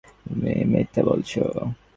তুমি মিথ্যা বলছো।